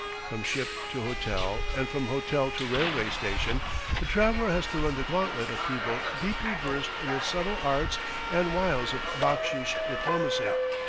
From ship to hotel, and from hotel to railway station, the traveller has to run the gauntlet of people deeply versed in the subtle arts and wiles of backsheesh diplomacy.